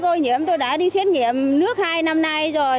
ô nhiễm tôi đã đi xét nghiệm nước hai năm nay rồi